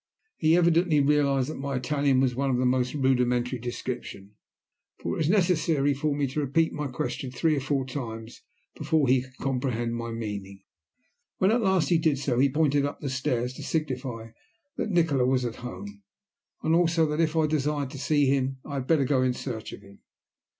He evidently realized that my Italian was of the most rudimentary description, for it was necessary for me to repeat my question three or four times before he could comprehend my meaning. When at last he did so, he pointed up the stairs to signify that Nikola was at home, and also that, if I desired to see him, I had better go in search of him.